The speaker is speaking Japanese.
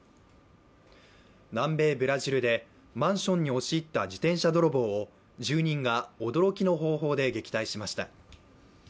南米ブラジルでマンションに押し入った自転車泥棒を住人が驚きの方法で撃退しました。